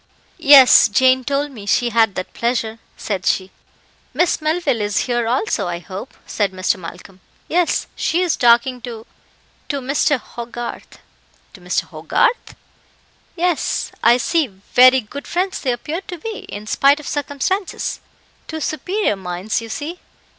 "Yes, Jane told me she had that pleasure," said she. "Miss Melville is here also, I hope," said Mr. Malcolm. "Yes, she is talking to to Mr. Hogarth." "To Mr. Hogarth? Yes, I see very good friends they appear to be, in spite of circumstances. Two superior minds, you see."